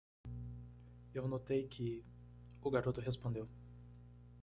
"Eu notei que?" o garoto respondeu.